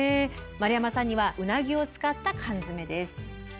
丸山さんにはうなぎを使った缶詰です。